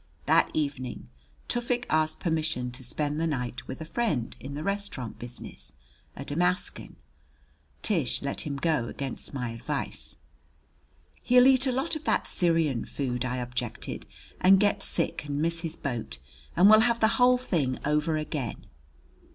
That evening Tufik asked permission to spend the night with a friend in the restaurant business a Damascan. Tish let him go against my advice. "He'll eat a lot of that Syrian food," I objected, "and get sick and miss his boat, and we'll have the whole thing over again!"